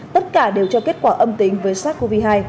tất cả đều cho kết quả âm tính với sars cov hai